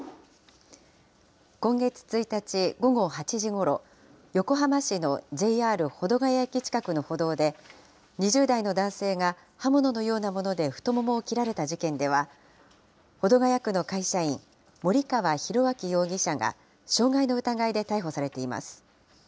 今月１日午後８時ごろ、横浜市のＪＲ保土ケ谷駅近くの歩道で、２０代の男性が刃物のようなもので太ももを切られた事件では、保土ケ谷区の会社員、森川浩昭容疑者が傷害の疑いで逮捕されています。